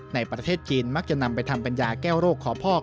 ในประเทศจีนมักจะนำไปทำปัญญาแก้วโรคขอพอก